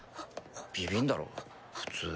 ビビんだろ普通。